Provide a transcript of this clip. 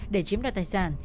để chiếm được tài sản